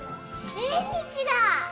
縁日だ！